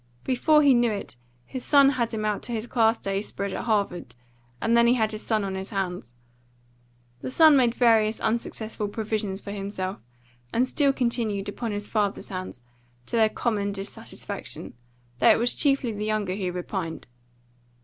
Before he knew it his son had him out to his class day spread at Harvard, and then he had his son on his hands. The son made various unsuccessful provisions for himself, and still continued upon his father's hands, to their common dissatisfaction, though it was chiefly the younger who repined.